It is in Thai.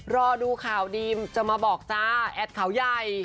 รอดูข่าวดีจะมาบอกจ้าแอดเขาใหญ่